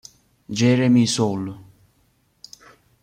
Jeremy Soule